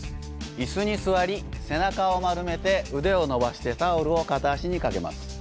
椅子に座り背中を丸めて腕を伸ばしてタオルを片足にかけます。